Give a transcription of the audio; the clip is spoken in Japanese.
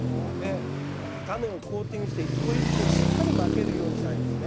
タネをコーティングして一個一個しっかりまけるようにしたタネですね。